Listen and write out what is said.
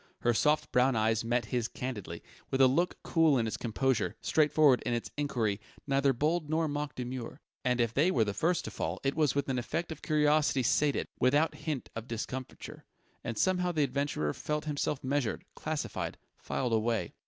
Her soft brown eyes met his candidly, with a look cool in its composure, straightforward in its enquiry, neither bold nor mock demure. And if they were the first to fall, it was with an effect of curiosity sated, without hint of discomfiture.... And somehow the adventurer felt himself measured, classified, filed away.